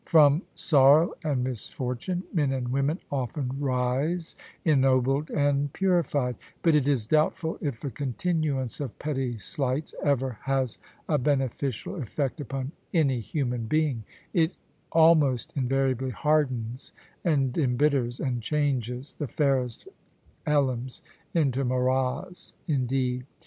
From sor row and misfortune men and women often rise ennobled and purified : but it is doubtful if a continuance of petty slights ever has a beneficial effect upon any human being ; it almost invariably hardens and embitters, and changes the fairest Elims into Marahs indeed.